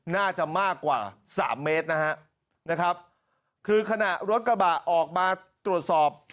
น่าจะมากกว่าสามเมตรนะฮะนะครับคือขณะรถกระบะออกมาตรวจสอบ